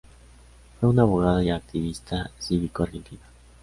Fue una abogada y activista cívico argentina.